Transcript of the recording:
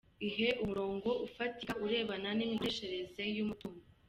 Ihe umurongo ufatika urebana n’imikoreshereze y’umutungo.